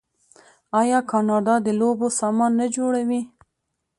آیا کاناډا د لوبو سامان نه جوړوي؟